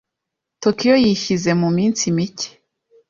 Tokiyo yishyize mu minsi mike.